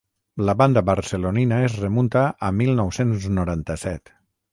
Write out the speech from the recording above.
La banda barcelonina es remunta a mil nou-cents noranta-set.